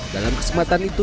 dalam kesempatan itu